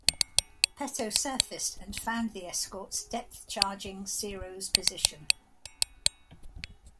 "Peto" surfaced and found the escorts depth charging "Cero"s position.